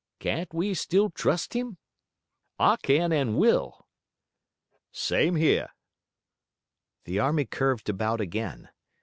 Can't we still trust him?" "I can and will." "Same here." The army curved about again.